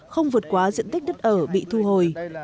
không vượt quá diện tích đất ở bị thu hồi